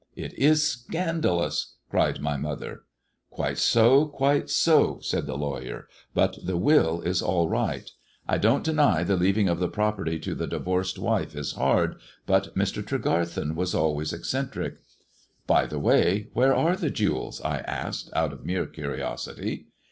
"It is scandalous," cried my mother. " Quite so ! quite so !" said the lawyer. " But the will is all right. I don't deny the leaving of the property to the divorced wife is hard, but Mr. Tregsurthen was always eccentric." " By the way, where are the jewels 1 " I asked, out of mere curiosity.